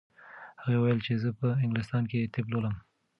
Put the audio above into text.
هغې وویل چې زه په انګلستان کې طب لولم.